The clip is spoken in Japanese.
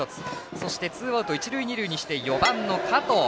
そしてツーアウト一塁二塁にして４番の加藤。